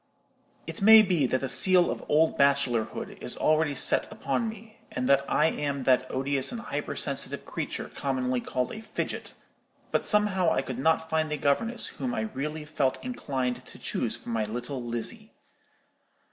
"It may be that the seal of old bachelorhood is already set upon me, and that I am that odious and hyper sensitive creature commonly called a 'fidget;' but somehow I could not find a governess whom I really felt inclined to choose for my little Lizzie.